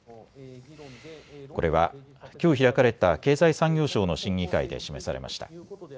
これは、きょう開か開かれた経済産業省の審議会で示されました。